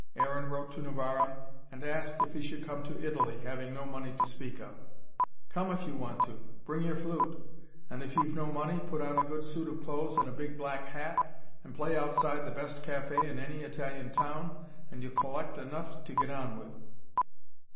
Aaron wrote to Novara, and asked if he should come to Italy, having no money to speak of. "Come if you want to. Bring your flute. And if you've no money, put on a good suit of clothes and a big black hat, and play outside the best cafe in any Italian town, and you'll collect enough to get on with."